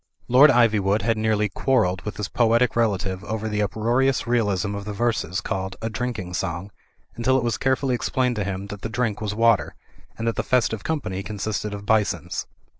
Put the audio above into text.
Lord Ivywood had nearly quarrelled with his poetic relative over the uproarious realism of the verses called "A Drinking Song," until it was carefully explained to him that the drink was water, and that the festive company consisted of bisons.